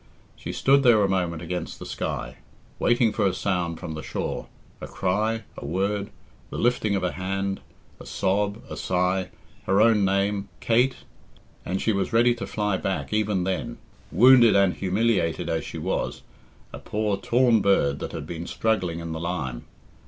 She stood there a moment against the sky, waiting for a sound from the shore, a cry, a word, the lifting of a hand, a sob, a sigh, her own name, "Kate," and she was ready to fly back even then, wounded and humiliated as she was, a poor torn bird that had been struggling in the lime.